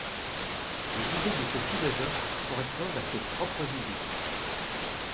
Les idées de ce philosophe correspondent à ses propres idées.